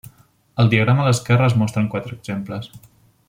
El diagrama de l'esquerra es mostren quatre exemples.